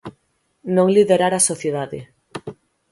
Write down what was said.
Non liderar a sociedade.